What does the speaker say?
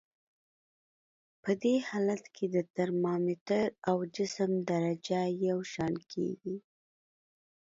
په دې حالت کې د ترمامتر او جسم درجه یو شان کیږي.